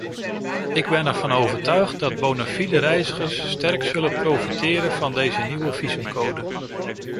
Ik ben ervan overtuigd dat bonafide reizigers sterk zullen profiteren van deze nieuwe visumcode.